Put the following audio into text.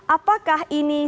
apakah ini sifatnya